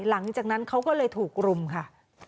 หลังจากนั้นเขาก็เลยถูกรุมค่ะ